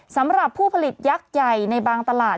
สำหรับผู้ผลิตยักษ์ใหญ่ในบางตลาด